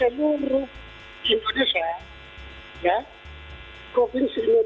di seluruh di seluruh provinsi tiga puluh lima provinsi yang disebut